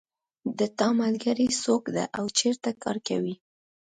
د تا ملګری څوک ده او چېرته کار کوي